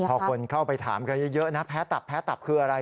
พอคนเข้าไปถามกันเยอะนะแพ้ตับแพ้ตับคืออะไร